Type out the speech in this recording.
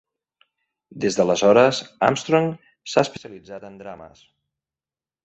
Des d'aleshores, Armstrong s'ha especialitzat en drames.